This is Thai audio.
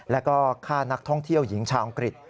แล้วก็ฆ่านักท่องเที่ยวหญิงชาวอังกฤษ